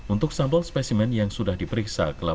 untuk sampel spesimen yang sudah diperiksa